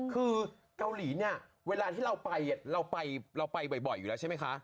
คือเกาหลีเนี่ยเวลาที่เราไปเราไปบ่อยอยู่แล้วใช่ไหมคะ